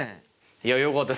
いやよかった。